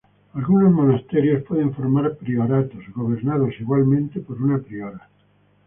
Algunos monasterios pueden formar prioratos, gobernados igualmente por una priora.